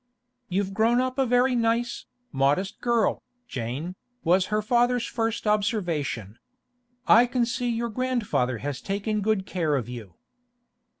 'You've grown up a very nice, modest girl, Jane,' was her father's first observation. 'I can see your grandfather has taken good care of you.